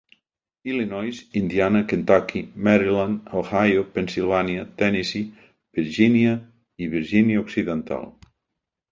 Illinois, Indiana, Kentucky, Maryland, Ohio, Pennsilvània, Tennessee, Virgínia i Virgínia Occidental.